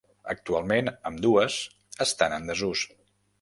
Actualment, ambdues, estan en desús.